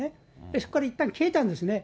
そこからいったん消えたんですね。